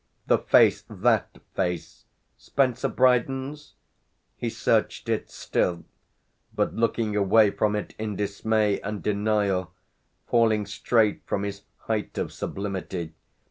The face, that face, Spencer Brydon's? he searched it still, but looking away from it in dismay and denial, falling straight from his height of sublimity.